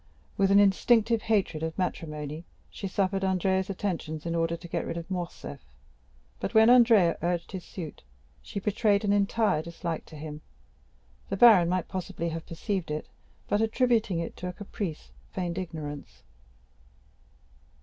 With an instinctive hatred of matrimony, she suffered Andrea's attentions in order to get rid of Morcerf; but when Andrea urged his suit, she betrayed an entire dislike to him. The baron might possibly have perceived it, but, attributing it to a caprice, feigned ignorance.